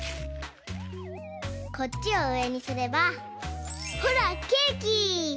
こっちをうえにすればほらケーキ！